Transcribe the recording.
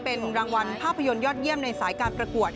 เป็นรางวัลภาพยนตร์ยอดเยี่ยมในสายการประกวด